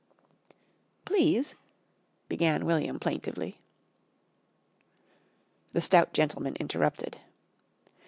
"Please " began William plaintively. The stout gentleman interrupted.